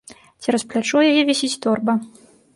Цераз плячо яе вісіць торба.